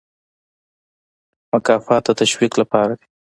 مکافات د تشویق لپاره دي